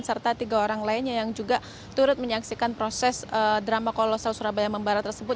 serta tiga orang lainnya yang juga turut menyaksikan proses drama kolosal surabaya membara tersebut